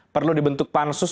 perlu dibentuk pansus